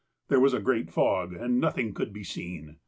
There was a great fog, and nothing could be seen.